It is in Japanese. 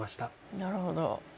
なるほど。